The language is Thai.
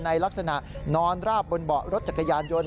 ในลักษณะนอนราบบนเบาะรถจักรยานยนต์